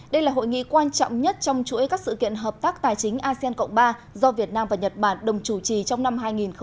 đây là hội nghị quan trọng nhất trong chuỗi các sự kiện hợp tác tài chính asean cộng ba do việt nam và nhật bản đồng chủ trì trong năm hai nghìn một mươi chín